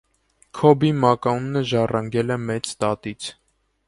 «Քոբի» մականունը ժառանգել է մեծ տատից։